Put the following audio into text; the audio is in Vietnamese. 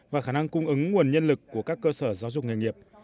và khả năng cung ứng nguồn nhân lực của các cơ sở giáo dục nghề nghiệp